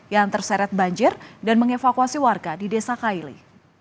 yang terseret banjir dan mengevakuasi warga di desa kaili